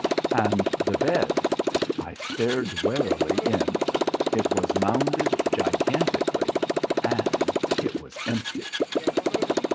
And the bed! I stared warily in; it was mounded gigantically, and it was empty.